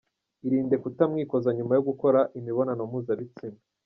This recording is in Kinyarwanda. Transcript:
Irinde kutamwikoza nyuma yo gukora imibonano mpuza bitsina.